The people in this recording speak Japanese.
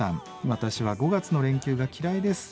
「私は５月の連休が嫌いです。